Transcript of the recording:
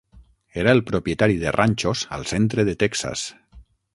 Era el propietari de ranxos al centre de Texas.